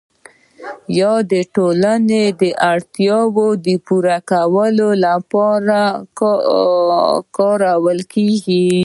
یا د ټولنې د اړتیاوو د پوره کولو لپاره کارول کیږي؟